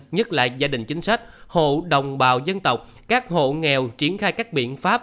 nhất là gia đình chính sách hộ đồng bào dân tộc các hộ nghèo triển khai các biện pháp